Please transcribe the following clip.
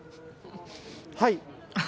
はい。